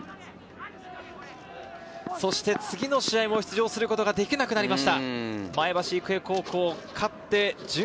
そして次の試合も出場することができなくなりました。